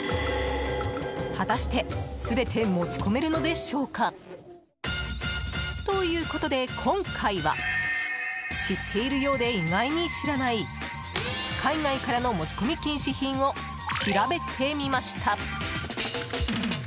果たして、全て持ち込めるのでしょうか？ということで、今回は知っているようで意外に知らない海外からの持ち込み禁止品を調べてみました。